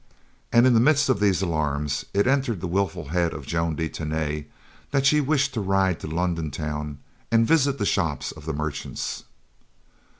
And in the midst of these alarms, it entered the willful head of Joan de Tany that she wished to ride to London town and visit the shops of the merchants.